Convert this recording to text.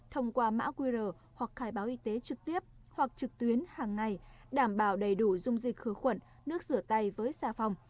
thông qua mã qr hoặc khai báo y tế trực tiếp hoặc trực tuyến hàng ngày đảm bảo đầy đủ dung dịch khử khuẩn nước rửa tay với xà phòng